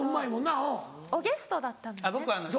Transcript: おゲストだったのね。